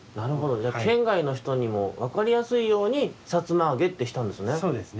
じゃあけんがいのひとにもわかりやすいように「さつまあげ」ってしたんですね。